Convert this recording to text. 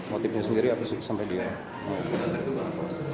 motifnya sendiri apa sampai di mana